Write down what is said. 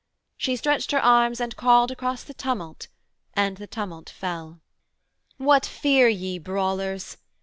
She stretched her arms and called Across the tumult and the tumult fell. 'What fear ye, brawlers?